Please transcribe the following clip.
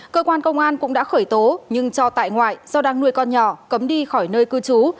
cơ quan công an cũng đã khởi tố nhưng cho tại ngoại do đang nuôi con nhỏ cấm đi khỏi nơi cư trú